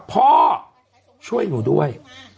พ่อช่วยหนูด้วย